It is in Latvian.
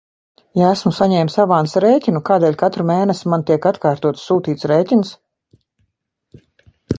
Ja esmu saņēmis avansa rēķinu, kādēļ katru mēnesi man tiek atkārtoti sūtīts rēķins?